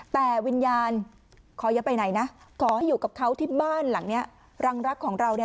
แต่วิญญาณขอยังไปไหนนะขออยู่กับเขาที่บ้านหลังนี้รังรักของเรา